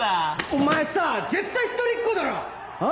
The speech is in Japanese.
お前さ絶対一人っ子だろ⁉あ？